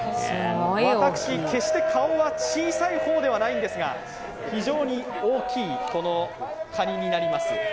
私、決して顔は小さい方ではないんですが非常に大きいかにになります。